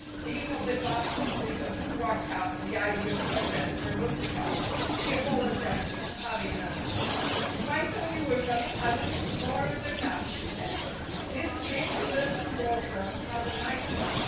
Being of the class who believe a boudoir cap the ideal headdress for a motor car, she apologized for having none. "If I'd known you were coming I would have borrowed a cap," she said. "Miss Tripp, third floor front, has a nice one.